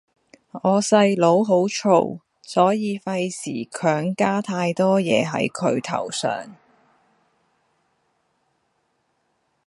我細佬好燥，所以費事強加太多嘢係佢頭上